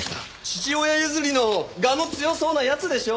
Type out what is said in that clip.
父親譲りの我の強そうな奴でしょ。